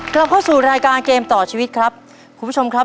กลับเข้าสู่รายการเกมต่อชีวิตครับคุณผู้ชมครับ